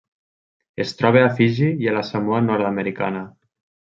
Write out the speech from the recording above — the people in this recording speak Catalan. Es troba a Fiji i a la Samoa Nord-americana.